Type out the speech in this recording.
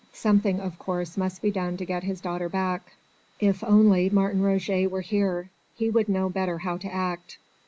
Something of course must be done to get his daughter back. If only Martin Roget were here, he would know better how to act.